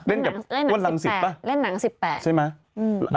เออพึ่ง๓แก่๓เอ็งแม่